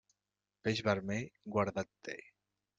Peix vermell, guarda't d'ell.